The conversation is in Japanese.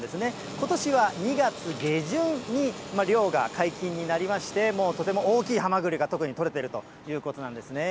ことしは２月下旬に漁が解禁になりまして、もうとても大きいはまぐりが特に取れているということなんですね。